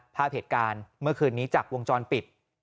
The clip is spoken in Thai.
ภาพเหตุการณ์เมื่อคืนนี้จากวงจรปิด